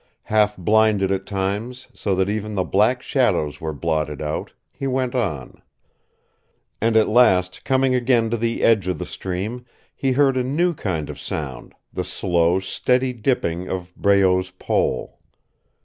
Half blinded at times, so that even the black shadows were blotted out, he went on. And at last, coming again to the edge of the stream, he heard a new kind of sound the slow, steady dipping of Breault's pole.